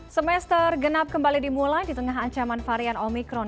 semester genap kembali dimulai di tengah ancaman varian omikron